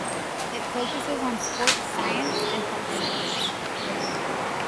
Its focuses on sports science and health science.